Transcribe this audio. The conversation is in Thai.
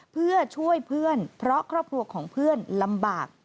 เพื่อช่วยเพื่อนเพราะครอบครัวของเพื่อนลำบาก